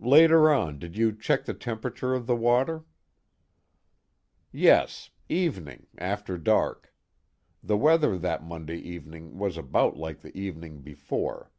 "Later on did you check the temperature of the water?" "Yes evening after dark. The weather that Monday evening was about like the evening before.